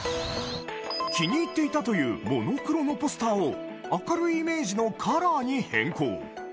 気に入っていたというモノクロのポスターを、明るいイメージのカラーに変更。